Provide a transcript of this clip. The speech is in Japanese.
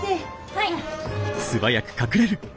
はい。